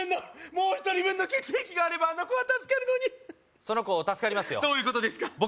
もう１人分の血液があればあの子は助かるのにその子助かりますよどういうことですか？